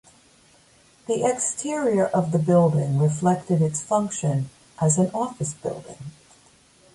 The exterior of the building reflected its function as an office building.